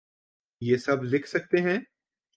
یہ سب لکھ سکتے ہیں؟